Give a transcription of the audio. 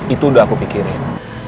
itu udah aku pikirin